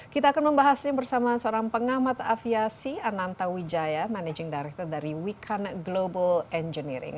kita bersama seorang pengamat aviasi ananta wijaya managing director dari wikan global engineering